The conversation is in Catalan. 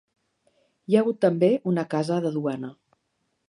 Hi ha hagut també una casa de duana.